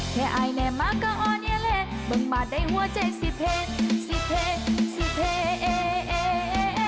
แค่อายแน่มากก็อ่อนเยอะเลยบึงบาดได้หัวใจสิเทสิเทสิเท